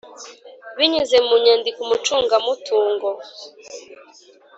Binyuze mu nyandiko umucungamutungo